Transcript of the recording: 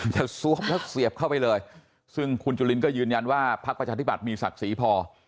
ซวมแล้วเสียบเข้าไปเลยซึ่งคุณจุลินก็ยืนยันว่าพักประชาธิบัตย์มีศักดิ์ศรีพอ